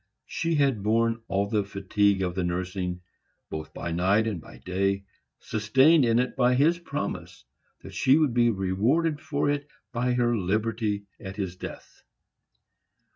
She had borne all the fatigue of the nursing, both by night and by day, sustained in it by his promise that she should be rewarded for it by her liberty, at his death.